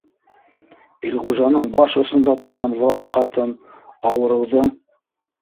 Илғужаның баш осонда торған врач ҡатын, ауырыуҙың